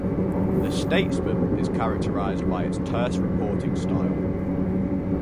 "The Statesman" is characterized by its terse reporting style.